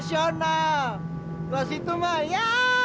tidak luar situ maya